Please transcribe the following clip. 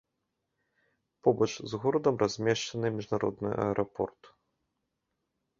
Побач з горадам размешчаны міжнародны аэрапорт.